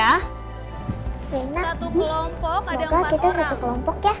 reina semoga kita satu kelompok ya